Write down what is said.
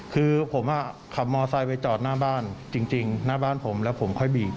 คือผมขับมอไซค์ไปจอดหน้าบ้านจริงหน้าบ้านผมแล้วผมค่อยบีบ